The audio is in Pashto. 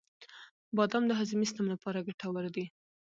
• بادام د هاضمې سیسټم لپاره ګټور دي.